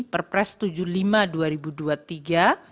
perpres tujuh puluh lima dua ribu dua puluh tiga